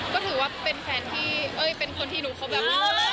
ก็ถือว่าเป็นแฟนที่เอ้ยเป็นคนที่หนูคบอย่างนั้น